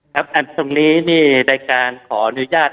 ครับตรงนี้ได้การขออนุญาต